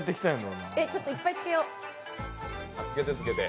ちょっといっぱいつけよう。